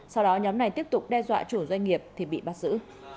sau đó nhóm này tiếp tục đe dọa chủ doanh nghiệp thì bị bắt giữ